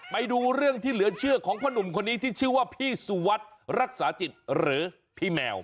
ไปดูเรื่องที่เหลือเชื่อของพ่อหนุ่มคนนี้ที่ชื่อว่าพี่สุวัสดิ์รักษาจิตหรือพี่แมว